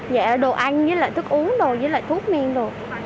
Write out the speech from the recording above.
dạ đồ ăn với lại thức uống đồ với lại thuốc miên đồ